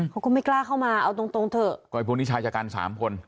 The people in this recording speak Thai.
เขาก็ไม่กล้าเข้ามาเอาตรงตรงเถอะก็ไอ้พวกนี้ชายชะกันสามคน